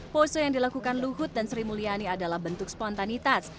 pose yang dilakukan luhut dan sri mulyani adalah bentuk spontanitas